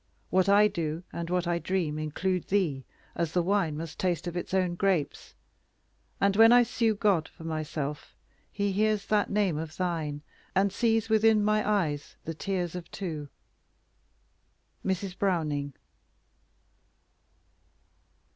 What I do And what I dream include thee, as the wine Must taste of its own grapes. And when I sue God for myself, He hears that name of thine, And sees within my eyes the tears of two. MRS. BROWNING.